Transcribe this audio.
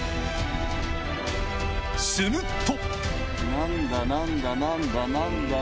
すると！